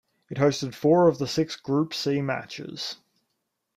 It hosted four of the six Group C matches.